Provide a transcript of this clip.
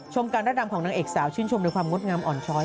การระดำของนางเอกสาวชื่นชมในความงดงามอ่อนช้อย